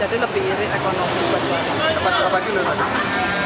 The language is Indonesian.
jadi lebih iri ekonomi